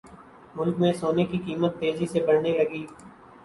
ملک میں سونے کی قیمت تیزی سے بڑھنے لگی